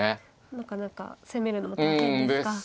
なかなか攻めるのも大変ですか。